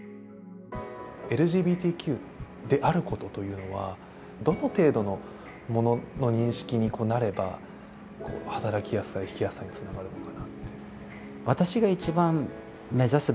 ＬＧＢＴＱであることというのは、どの程度の認識になれば働きやすさ、生きやすさにつながりますか？